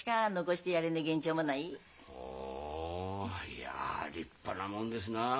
いや立派なもんですなあ。